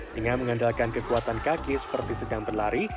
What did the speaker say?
dengan mengandalkan kekuatan kaki seperti sedang berlari